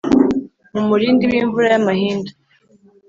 mu murindi w’imvura y’amahindu.